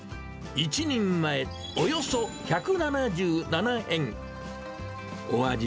１人前およそ１７７円。